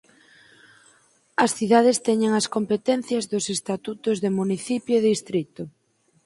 As cidades teñen as competencias dos estatutos de municipio e distrito.